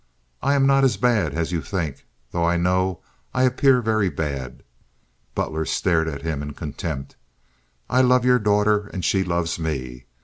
"I am not as bad as you think, though I know I appear very bad." Butler stared at him in contempt. "I love your daughter, and she loves me.